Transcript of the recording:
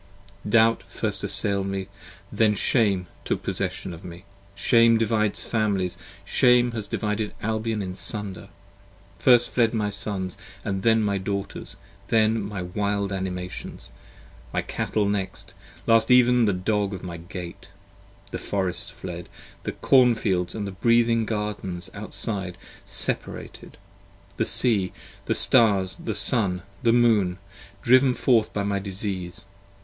5 Doubt first assail'd me, then Shame took possession of me: Shame divides Families, Shame hath divided Albion in sunder: First fled my Sons, & then my Daughters, then my Wild Animations, My Cattle next, last ev'n the Dog of my Gate; the Forests fled, The Corn fields, & the breathing Gardens outside separated, 10 The Sea: the Stars: the Sun: the Moon: driv'n forth by my disease.